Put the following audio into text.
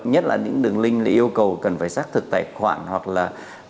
nhất là những đường link thì yêu cầu cần phải xác thực tài khoản hoặc là